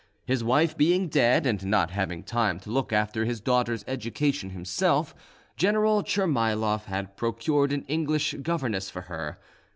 His wife being dead, and not having time to look after his daughter's education himself, General Tchermayloff had procured an English governess for her.